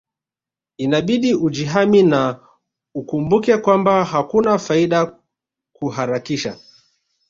Inabidi ujihami na ukumbuke kwamba hakuna faida kuharakisha